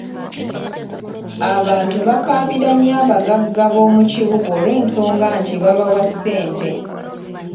Abantu bakabira nnyo abagagga b’omu kibuga olw’ensonga nti babawa ssente.